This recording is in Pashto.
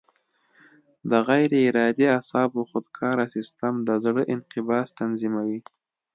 د غیر ارادي اعصابو خودکاره سیستم د زړه انقباض تنظیموي.